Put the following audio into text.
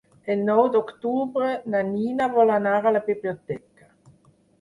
El nou d'octubre na Nina vol anar a la biblioteca.